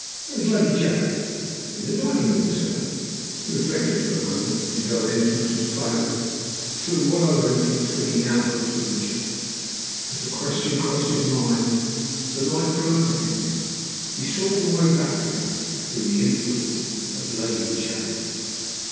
"Where is Lady Janet?" "In the dining room, sir." He reflected for a moment. His own influence had failed. Through what other influence could he now hope to reach her? As the question crossed his mind the light broke on him. He saw the way back to her through the influence of Lady Janet.